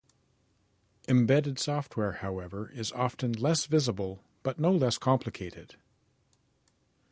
Embedded software however is often less visible, but no less complicated.